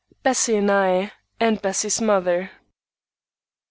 BESSIE AND I AND BESSIE'S MOTHER.